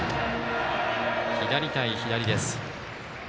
左対左です。